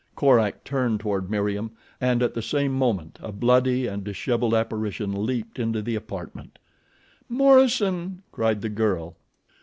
Korak turned toward Meriem and at the same moment a bloody and disheveled apparition leaped into the apartment. "Morison!" cried the girl.